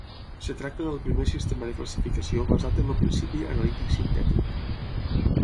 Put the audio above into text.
Es tracta del primer sistema de classificació basat en el principi analític-sintètic.